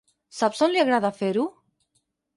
Saps on li agrada fer-ho?